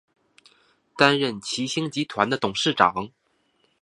担任齐星集团的董事长。